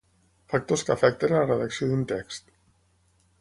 Factors que afecten a la redacció d'un text.